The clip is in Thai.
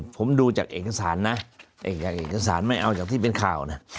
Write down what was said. ผมดูจากเอกสารนะจากเอกสารไม่เอาจากที่เป็นข่าวนะ